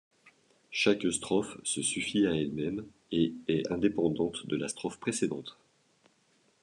Chaque strophe se suffit à elle-même, et est indépendante de la strophe précédente.